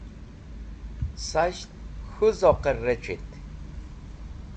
Sasht k̃hũ zoqẽr rec̃hit.